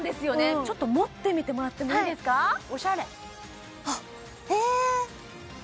ちょっと持ってみてもらってもいいですかおしゃれあっえー？